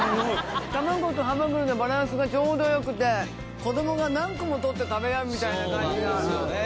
卵とはまぐりのバランスがちょうど良くて子供が何個も取って食べたいみたいな感じが。